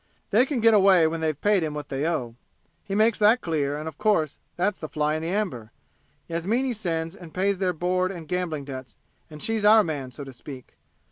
They can get away when they've paid him what they owe. He makes that clear, and of course that's the fly in the amber. Yasmini sends and pays their board and gambling debts, and she's our man, so to speak.